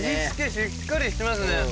しっかりしてますね。